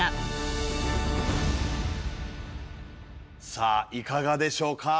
さあいかがでしょうか？